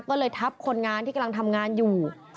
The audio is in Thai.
ก็เลยทับคนงานที่กำลังทำงานอยู่